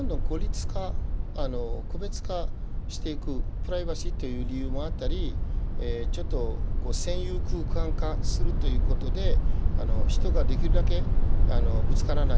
プライバシーという理由もあったりちょっと占有空間化するということで人ができるだけぶつからない。